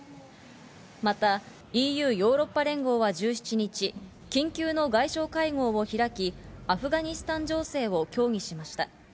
またＥＵ＝ヨーロッパ連合は１７日、緊急の外相会合を開き、アフガニスタン情勢を協議しました。